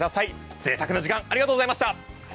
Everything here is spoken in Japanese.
ぜいたくな時間ありがとうございました。